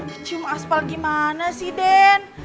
mencium aspal gimana sih den